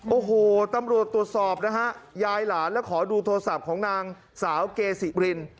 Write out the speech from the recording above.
โอ้โหตำรวจตรวจสอบนะฮะยายหลานและขอดูโทรศัพท์ของนางสาวเกศิริน